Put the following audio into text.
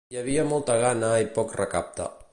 Hi havia molta gana i poc recapte.